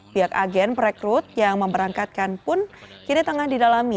pihak agen perekrut yang memberangkatkan pun kini tengah didalami